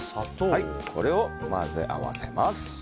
これを混ぜ合わせます。